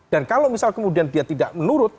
dan kalau misalnya kemudian dia tidak menurut